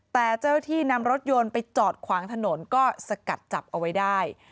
แต่เจ้าที่นำรถยนต์ไปจอดขวางถนนก็สกัดจับเอาไว้ได้